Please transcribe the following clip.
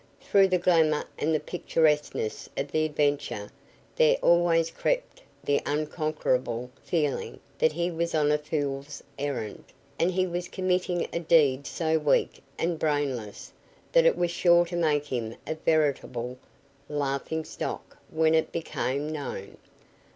Through the glamour and the picturesqueness of the adventure there always crept the unconquerable feeling that he was on a fool's errand, that he was committing a deed so weak and brainless that it was sure to make him a veritable laughing stock when it became known.